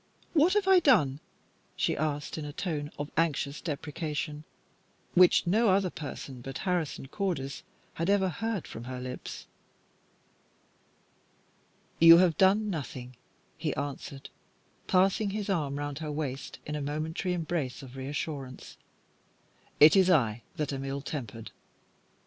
What have I done?" she asked, in a tone of anxious deprecation which no other person but Harrison Cordis had ever heard from her lips. "You have done nothing," he answered, passing his arm round her waist in a momentary embrace of reassurance. "It is I that am ill tempered.